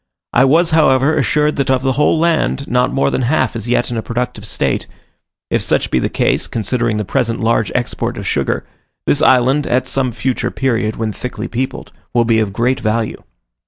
I was, however, assured that of the whole land, not more than half is yet in a productive state; if such be the case, considering the present large export of sugar, this island, at some future period when thickly peopled, will be of great value.